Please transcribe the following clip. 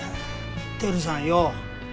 輝さんよ。